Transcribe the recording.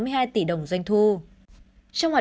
trong hoạt động tổ chức chấp chấp chấp